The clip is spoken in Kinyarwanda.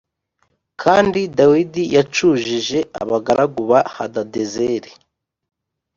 Kandi Dawidi yacujije abagaragu ba Hadadezeri